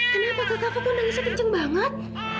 kenapa kava pun nangisnya kenceng banget